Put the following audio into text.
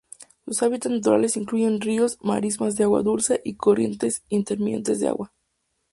Sus hábitats naturales incluyen ríos, marismas de agua dulce y corrientes intermitentes de agua.